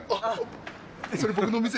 それ僕の店です。